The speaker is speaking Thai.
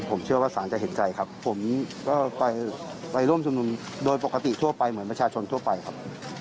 ผมเชื่อว่าศาลจะเห็นใจครับผมก็ไปร่วมชุมนุมโดยปกติทั่วไปเหมือนประชาชนทั่วไปครับ